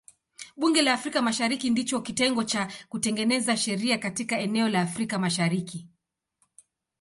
Bunge la Afrika Mashariki ndicho kitengo cha kutengeneza sheria katika eneo la Afrika Mashariki.